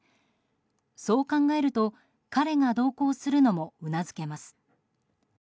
そう考えると彼が同行するのもうなずけます。